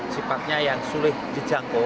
sifatnya yang sulih dijangkau